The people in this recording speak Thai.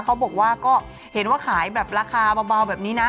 เขาบอกว่าก็เห็นว่าขายแบบราคาเบาแบบนี้นะ